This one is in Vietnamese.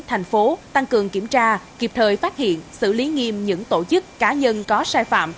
thành phố tăng cường kiểm tra kịp thời phát hiện xử lý nghiêm những tổ chức cá nhân có sai phạm